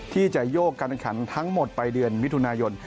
ที่จะโยกการแข่งขันทั้งหมดไปเดือนมิถุนายน